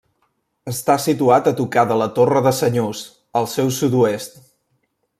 Està situat a tocar de la Torre de Senyús, al seu sud-oest.